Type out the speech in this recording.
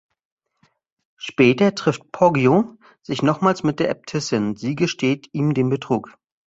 Später trifft Poggio sich nochmals mit der Äbtissin, sie gesteht ihm den Betrug.